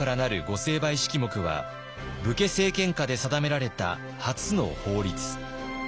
成敗式目は武家政権下で定められた初の法律。